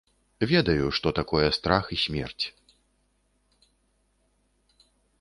Ведаю, што такое страх і смерць.